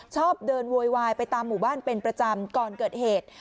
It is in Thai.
ชอบเดินโวยวายไปตามหมู่บ้านเป็นประจำก่อนเกิดเหตุ